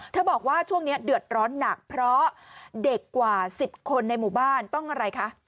บอกว่าช่วงนี้เดือดร้อนหนักเพราะเด็กกว่า๑๐คนในหมู่บ้านต้องอะไรคะ